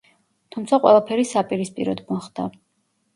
თუმცა ყველაფერი საპირისპიროდ მოხდა.